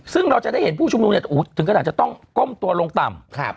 ซึ่งเราจะได้เห็นผู้ชุมนุมถึงขนาดจะต้องก้มตัวลงต่ำ